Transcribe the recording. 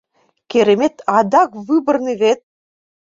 Керемет, адак выборный вет...»